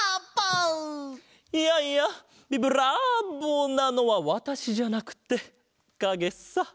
いやいやビブラーボなのはわたしじゃなくてかげさ！